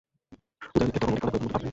উদয়াদিত্যের তখন অধিক কথা কহিবার মত ভাব নহে।